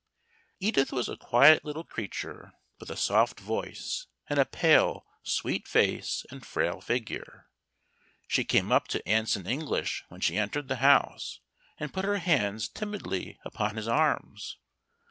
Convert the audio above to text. Edith was a quiet little creature, with a soft voice, and a pale, sweet face, and frail figure. She came up to Anson English when she entered the house, and put her hands timidly upon his arms.